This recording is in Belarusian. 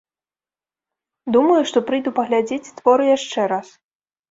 Думаю, што прыйду паглядзець творы яшчэ раз.